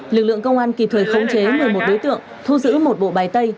lực lượng công an kịp thời khống chế một mươi một đối tượng thu giữ một bộ bài tay